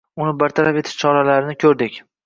Uni bartaraf etish choralarini koʻrdik